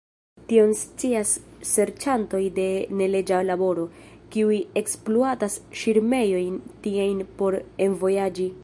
Tion scias serĉantoj de neleĝa laboro, kiuj ekspluatas ŝirmejojn tiajn por envojaĝi.